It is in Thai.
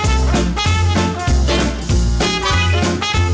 แล้วพูดถึงตัวเกี้ยวเวลาเราสั่งมาแบบเป็นเซ็ตเป็นจานอย่างเงี้ยครับ